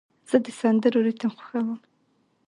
زه د سندرو ریتم خوښوم.